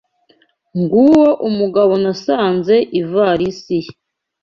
Nguwo umugabo nasanze ivarisi ye.